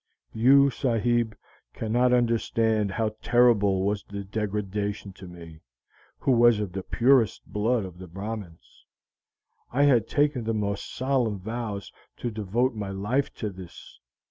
You, sahib, cannot understand how terrible was the degradation to me, who was of the purest blood of the Brahmins. I had taken the most solemn vows to devote my life to this.